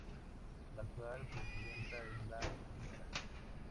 La actual presidenta es la Sra.